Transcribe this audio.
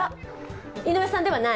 井上さんではない？